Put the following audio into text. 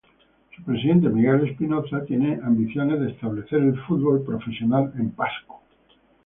Su presidente Miguel Espinoza tiene ambiciones de establecer el fútbol profesional en Pasco.